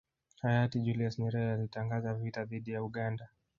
Hayati Julius Nyerere alitangaza vita dhidi ya Uganda